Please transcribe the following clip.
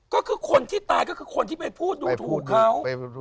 ก็คือคนที่ตายก็คือคนที่ไปพูดดูถูกเขา